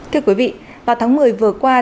thưa quý vị vào tháng một mươi vừa qua